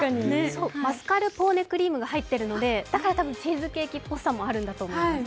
マスカルポーネクリームが入っているので、だから多分、チーズケーキっぽさもあるんだと思います。